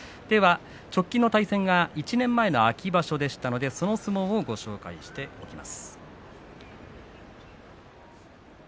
直近の対戦は１年前の秋場所でしたのでその相撲をご紹介していきます。